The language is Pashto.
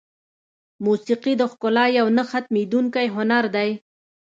موسیقي د ښکلا یو نه ختمېدونکی هنر دی.